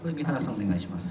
お願いします。